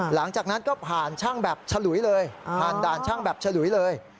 หลังจากนั้นก็ผ่านช่างแบบฉลุยเลย